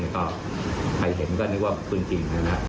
ใครเห็นก็นึกว่าคุณกิน